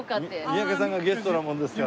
三宅さんがゲストなもんですから。